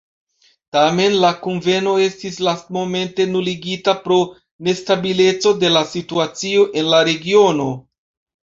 Tamen la kunveno estis lastmomente nuligita pro nestabileco de la situacio en la regiono.